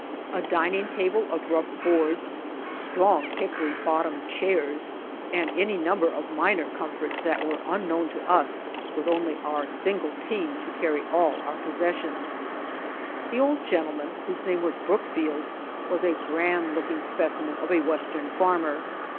A dining table of rough boards, strong hickory bottomed chairs, and any number of minor 116 MEETING NEW FRIENDS HJ comforts that were unknown to us with only our single team to carry all our possessions. The old gentleman whose name was Brookfield, was a grand looking specimen of a Western farmer.